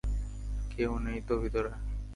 কেউ নেই তো ভেতরে?